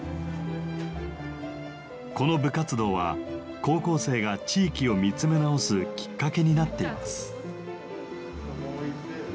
この部活動は高校生が地域を見つめ直すきっかけになっています。